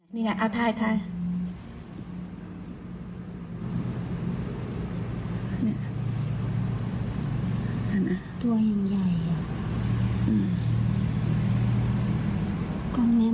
นี่ไงอาทายนี่ไงอันนาตัวยังใหญ่อื้ม